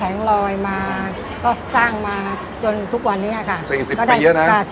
เริ่มต้นจากเล็กก็สร้างจนทุกวันนี้ค่ะ